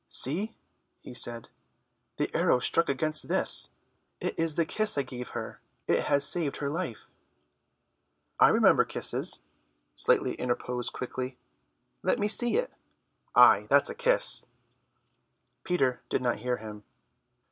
"See," he said, "the arrow struck against this. It is the kiss I gave her. It has saved her life." "I remember kisses," Slightly interposed quickly, "let me see it. Ay, that's a kiss." Peter did not hear him.